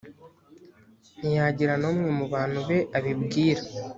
ntiyagira n umwe mu bantu be abibwira